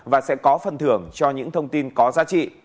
và sẽ có phần thưởng cho những thông tin có giá trị